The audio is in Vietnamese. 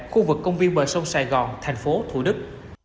khu vực công viên bờ sông sài gòn tp thủ đức